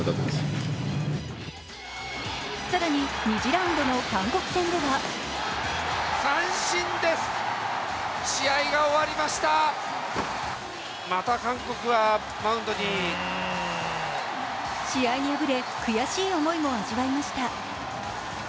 更に、２次ラウンドの韓国戦では試合に敗れ、悔しい思いも味わいました。